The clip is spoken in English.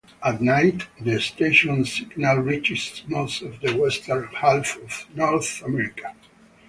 At night, the station's signal reaches most of the western half of North America.